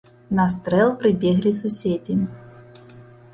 На стрэл прыбеглі суседзі.